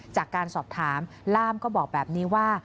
จากการสอบถามล่ามก็บอกแบบนี้ว่า